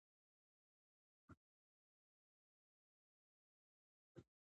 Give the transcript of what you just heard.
سیاسي پوهاوی د ناسمې استفادې مخه نیسي